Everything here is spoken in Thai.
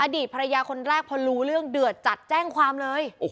อดีตภรรยาคนแรกพอรู้เรื่องเดือดจัดแจ้งความเลย